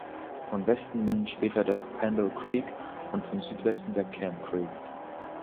Von Westen münden später der Pando Creek und von Südwesten der Camp Creek.